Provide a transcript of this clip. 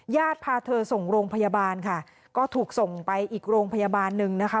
พาเธอส่งโรงพยาบาลค่ะก็ถูกส่งไปอีกโรงพยาบาลหนึ่งนะคะ